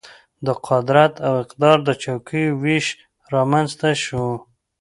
د قدرت او اقتدار د چوکیو وېش رامېنځته شو.